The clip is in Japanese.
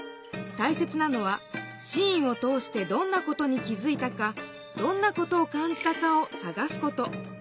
たいせつなのはシーンを通してどんなことに気づいたかどんなことを感じたかをさがすこと。